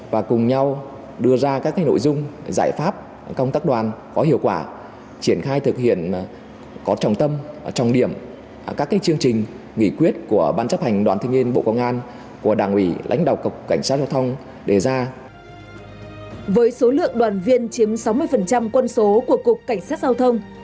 với số lượng đoàn viên chiếm sáu mươi quân số của cục cảnh sát giao thông